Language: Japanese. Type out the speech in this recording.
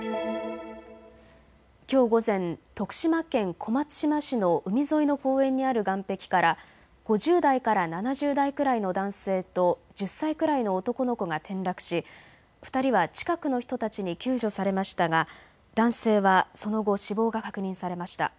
きょう午前、徳島県小松島市の海沿いの公園にある岸壁から５０代から７０代くらいの男性と１０歳くらいの男の子が転落し２人は近くの人たちに救助されましたが男性はその後死亡が確認されました。